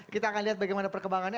kita akan lihat bagaimana perkembangannya